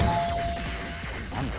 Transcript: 何だ？